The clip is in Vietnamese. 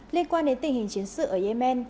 liên quan đến tình hình chiến sự ở yemen